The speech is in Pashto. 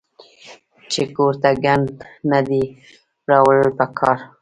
چې کور ته ګند نۀ دي راوړل پکار